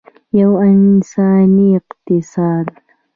یو انساني اقتصاد.